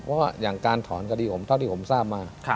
เพราะว่าอย่างการถอนคดีผมเท่าที่ผมทราบมา